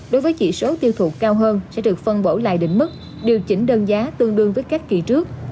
đối với chỉ số tiêu thụ cao hơn sẽ được phân bổ lại đỉnh mức điều chỉnh đơn giá tương đương với các kỳ trước